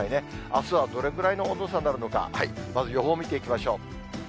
あすはどれぐらいの温度差になるのか、まず予報見ていきましょう。